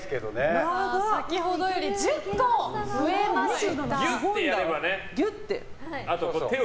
先ほどより１０個増えました。